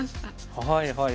はいはい。